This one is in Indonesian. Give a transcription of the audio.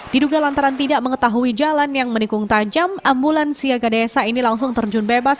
diduga lantaran tidak mengetahui jalan yang menikung tajam ambulans siaga desa ini langsung terjun bebas